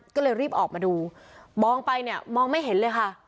ก็เลยรีบออกมาดูมองไปเนี่ยมองไม่เห็นเลยค่ะ